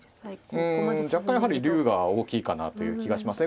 うん若干やはり竜が大きいかなという気がしますね。